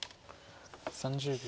３０秒。